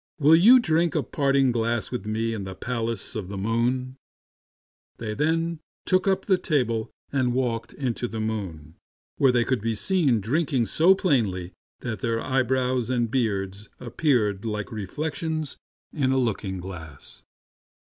Will you drink a parting glass with me in the palace of the moon ?" They then took up the table and walked into the moon where they could be seen drinking so plainly, that their eyebrows and beards appeared like reflections in a looking glass.